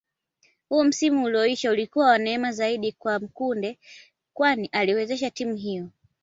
Huu msimu ulioisha ulikuwa wa neema zaidi kwa Mkude kwani aliiwezesha timu hiyo